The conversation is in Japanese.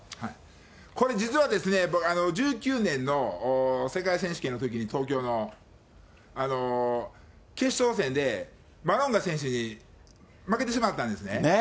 これ実はですね、１９年の世界選手権のときに、東京の、決勝戦で、マロンガ選手に負けてしまったんですね。